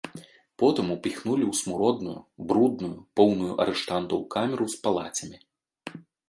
Потым упіхнулі ў смуродную, брудную, поўную арыштантаў камеру з палацямі.